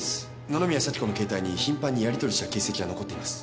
野々宮咲子の携帯に頻繁にやり取りしていた形跡が残っています。